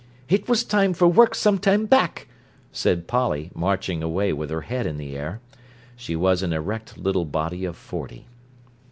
"It was time for work some time back," said Polly, marching away with her head in the air. She was an erect little body of forty.